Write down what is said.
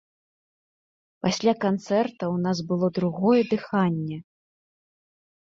Пасля канцэрта ў нас было другое дыханне.